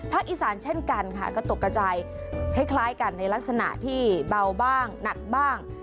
อีสานเช่นกันค่ะก็ตกกระจายคล้ายกันในลักษณะที่เบาบ้างหนักบ้าง